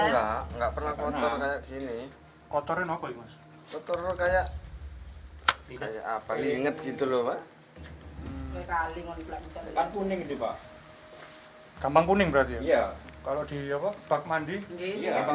yang berarti di man traject integr parallel demean mereka